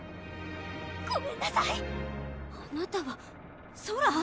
ごめんなさいあなたはソラ？